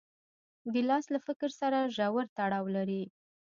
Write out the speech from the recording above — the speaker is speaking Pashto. ګیلاس له فکر سره ژور تړاو لري.